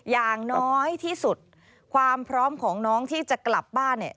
อย่างน้อยที่สุดความพร้อมของน้องที่จะกลับบ้านเนี่ย